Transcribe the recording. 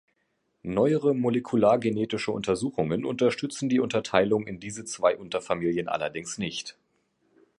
Neuere molekulargenetische Untersuchungen unterstützen die Unterteilung in diese zwei Unterfamilien allerdings nicht.